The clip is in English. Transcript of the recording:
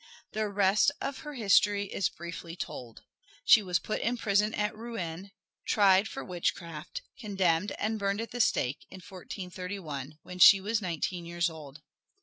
The rest of her history is briefly told. She was put in prison at Rouen, tried for witchcraft, condemned and burned at the stake in 1431, when she was nineteen years old.